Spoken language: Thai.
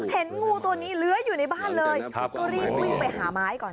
เห็นงูตัวนี้เลื้อยอยู่ในบ้านเลยก็รีบวิ่งไปหาไม้ก่อน